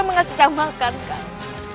dia mengasah saya makan kikumu